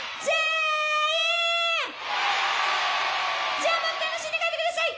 じゃあ楽しんで帰って下さい。